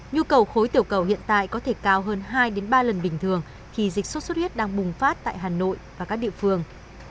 nhu cầu khối tiểu cầu hiện tại có thể cao hơn hai ba lần bình thường khi dịch sốt xuất huyết đang bùng phát tại hà nội và các địa phương